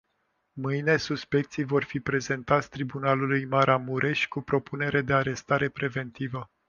Mâine suspecții vor fi prezentați tribunalului Maramureș cu propunere de arestare preventivă.